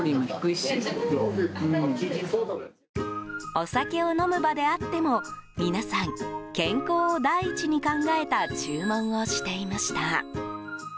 お酒を飲む場であっても皆さん、健康を第一に考えた注文をしていました。